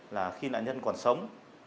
là khi nạn nhân còn sống